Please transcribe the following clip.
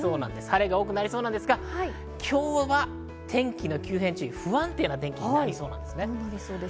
晴れが多くなりそうなんですが、今日は天気の急変注意、不安定な天気になりそうなんです。